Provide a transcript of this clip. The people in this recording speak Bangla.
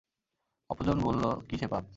অপরজন বলল, কি সে পাপ?